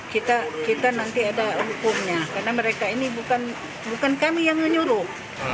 karena mereka ini bukan kami yang menyuruh